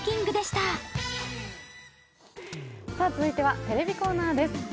続いてはテレビコーナーです。